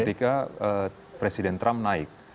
ketika presiden trump naik